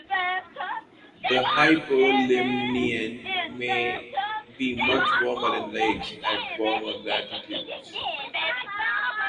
The hypolimnion may be much warmer in lakes at warmer latitudes.